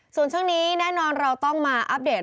ส่วนช่วงนี้แน่นอนเราต้องมาอัปเดต